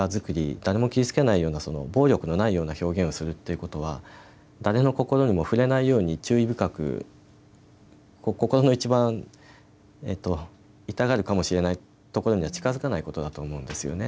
誰も傷つけないような暴力のないような表現をするということは誰の心にも触れないように注意深く心のいちばん痛がるかもしれないところには近づかないことだと思うんですよね。